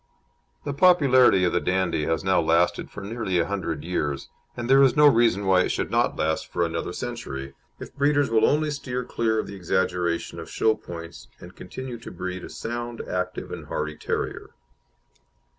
The popularity of the Dandie has now lasted for nearly a hundred years, and there is no reason why it should not last for another century, if breeders will only steer clear of the exaggeration of show points, and continue to breed a sound, active, and hardy terrier.